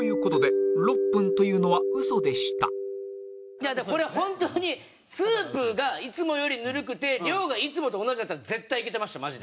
という事でいやだからこれは本当にスープがいつもよりぬるくて量がいつもと同じだったら絶対いけてましたマジで。